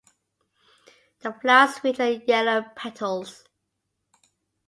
The flowers feature yellow petals.